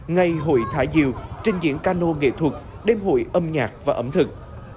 ngày hội thả diều trình diễn cano nghệ thuật đêm hội âm nhạc